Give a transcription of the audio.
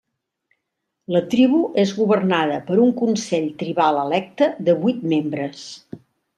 La tribu és governada per un consell tribal electe de vuit membres.